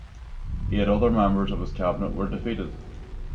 Eight other members of his cabinet were defeated.